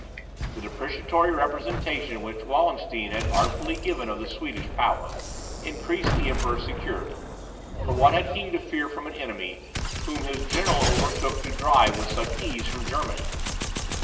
The depreciatory representation which Wallenstein had artfully given of the Swedish power, increased the Emperor's security; for what had he to fear from an enemy, whom his general undertook to drive with such ease from Germany?